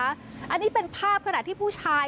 อันนี้เป็นภาพขณะที่ผู้ชาย